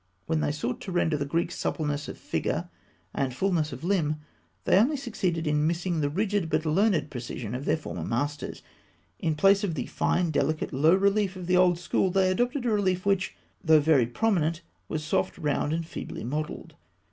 When they sought to render the Greek suppleness of figure and fulness of limb, they only succeeded in missing the rigid but learned precision of their former masters. In place of the fine, delicate, low relief of the old school, they adopted a relief which, though very prominent, was soft, round, and feebly modelled.